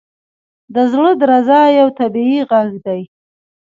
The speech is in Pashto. • د زړه درزا یو طبیعي ږغ دی.